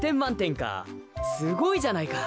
すごいじゃないか。